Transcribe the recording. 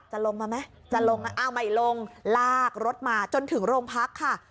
จะลงมั้ยจะลงเอามาอีกลงลากรถมาจนถึงโรงพักค่ะ